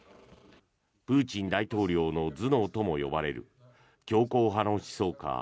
プーチン大統領の頭脳とも呼ばれる強硬派の思想家